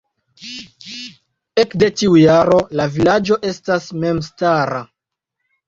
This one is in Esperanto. Ekde tiu jaro la vilaĝo estas memstara.